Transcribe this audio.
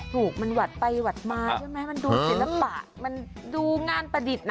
ถูกมันหวัดไปหวัดมาใช่ไหมมันดูศิลปะมันดูงานประดิษฐ์นะ